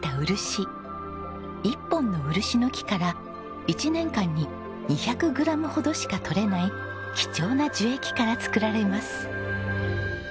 一本の漆の木から１年間に２００グラムほどしかとれない貴重な樹液から作られます。